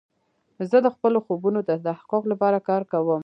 زه د خپلو خوبونو د تحقق لپاره کار کوم.